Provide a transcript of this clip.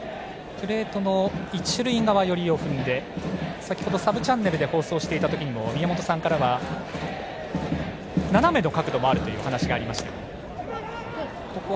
プレートの一塁側寄りを踏んで先程サブチャンネルで放送していた時にも宮本さんからは、斜めの角度もあるというお話がありました。